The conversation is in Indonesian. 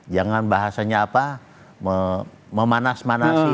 jangan bahasanya apa memanas manasi